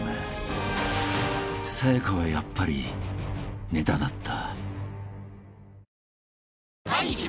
［さや香はやっぱりネタだった］